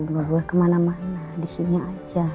gue boleh kemana mana di sini aja